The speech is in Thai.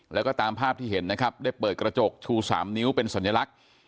แล้วก็ตามภาพที่เห็นนะครับได้เปิดกระจกชู๓นิ้วเป็นสัญลักษณ์